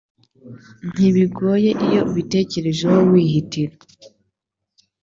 ntibigoye iyo ubitekerejeho wihitira